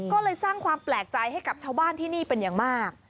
ก็เลยสร้างความแปลกใจให้กับชาวบ้านที่นี่เป็นอย่างมาก